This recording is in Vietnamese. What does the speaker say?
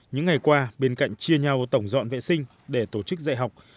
những ngày qua bên cạnh chia nhau tổng dọn vệ sinh để tổ chức dạy học